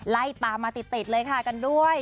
ไล่ตามมาติดเลยค่ะกันด้วย